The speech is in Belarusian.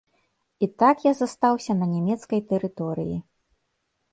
І так я застаўся на нямецкай тэрыторыі.